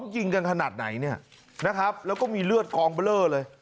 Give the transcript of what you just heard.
ยิงกันขนาดไหนเนี่ยนะครับแล้วก็มีเลือดกองเบลอเลย